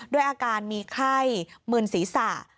ด้วยอาการมีไข้มึนศีรษะ